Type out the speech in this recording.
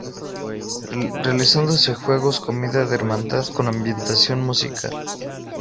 Realizándose juegos, comida de hermandad con ambientación musical.